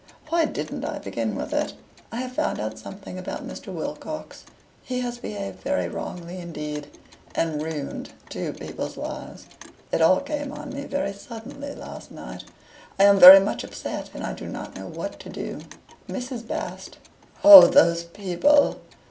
"Why didn't I begin with it? I have found out something about Mr. Wilcox. He has behaved very wrongly indeed, and ruined two people's lives. It all came on me very suddenly last night; I am very much upset, and I do not know what to do. Mrs. Bast " "Oh, those people!"